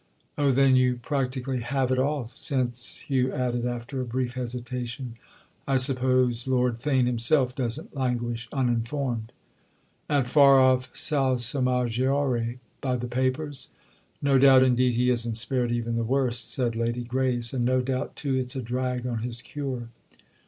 "Oh then you practically have it all—since," Hugh, added after a brief hesitation, "I suppose Lord Theign himself doesn't languish uninformed." "At far off Salsomaggiore—by the papers? No doubt indeed he isn't spared even the worst," said Lady Grace—"and no doubt too it's a drag on his cure."